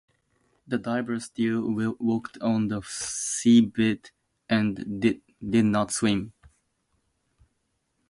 The diver still walked on the seabed and did not swim.